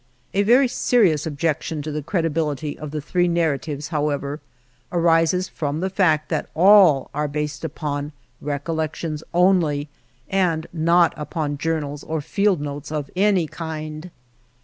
A very serious objection to the credibility of the three narratives, however, arises from the fact that all are based upon recollections only, and not upon journals or field notes of any kind.